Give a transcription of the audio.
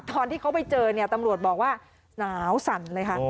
ตอนที่เขาไปเจอเนี่ยตำรวจบอกว่าหนาวสั่นเลยค่ะ